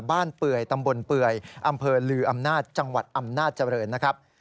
เปื่อยตำบลเปื่อยอำเภอลืออำนาจจังหวัดอำนาจเจริญนะครับ